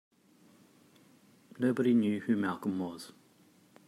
Nobody knew who Malcolm was.